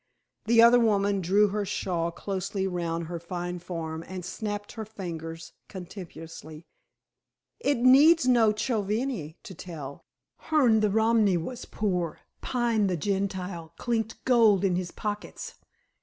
The other woman drew her shawl closely round her fine form and snapped her fingers contemptuously. "It needs no chovihani to tell. Hearne the Romany was poor, Pine the Gentile chinked gold in his pockets.